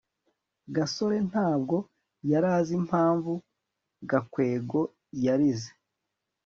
gasore ntabwo yari azi impamvu gakwego yarize